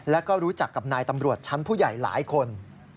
แล้วก็รู้จักกับนายตำรวจชั้นผู้ใหญ่หลายคน